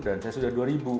dan saya sudah dua ribu